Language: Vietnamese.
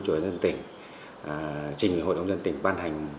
cho hội đồng dân tỉnh trình hội đồng dân tỉnh quan hành